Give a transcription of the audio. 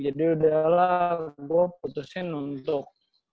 jadi udah lah gue putusin untuk